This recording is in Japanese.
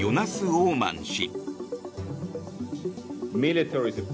・オーマン氏。